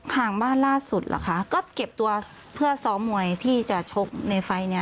ห่างบ้านล่าสุดเหรอคะก็เก็บตัวเพื่อซ้อมมวยที่จะชกในไฟล์นี้